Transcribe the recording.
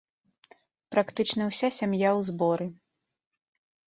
Практычна ўся сям'я ў зборы.